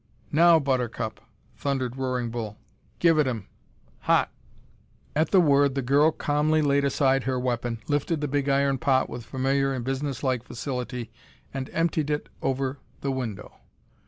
"Now, Buttercup," thundered Roaring Bull, "give it 'em hot!" At the word the girl calmly laid aside her weapon, lifted the big iron pot with familiar and businesslike facility, and emptied it over the window.